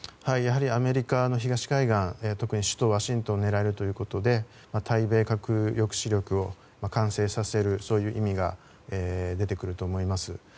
やはりアメリカの東海岸特に首都ワシントンを狙えるということで対米核抑止力を完成させるそういう意味が出てくると思います。